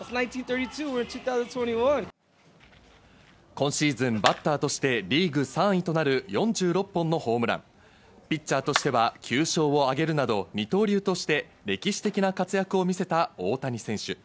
今シーズン、バッターとしてリーグ３位となる４６本のホームラン、ピッチャーとしては９勝をあげるなど二刀流として歴史的な活躍を見せた大谷選手。